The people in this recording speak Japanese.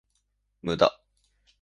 無駄